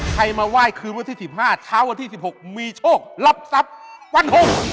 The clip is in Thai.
ใครมาไหว้คืนวันที่๑๕เช้าวันที่๑๖มีโชครับทรัพย์ฟันหก